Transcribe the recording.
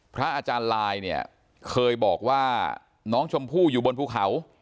พระอาจารย์ลายเนี่ยเคยบอกว่าน้องชมพู่อยู่บนภูเขา